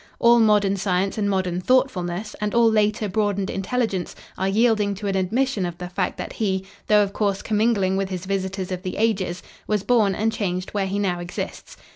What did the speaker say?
All modern science, and modern thoughtfulness, and all later broadened intelligence are yielding to an admission of the fact that he, though of course commingling with his visitors of the ages, was born and changed where he now exists.